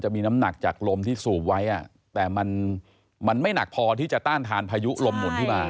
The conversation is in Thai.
มีน้ำหนักจากลมที่สูบไว้แต่มันไม่หนักพอที่จะต้านทานพายุลมหมุนขึ้นมา